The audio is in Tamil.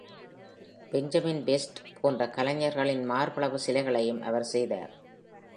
பெஞ்சமின் வெஸ்ட் போன்ற கலைஞர்களின் மார்பளவு சிலைகளையும் அவர் செய்தார்.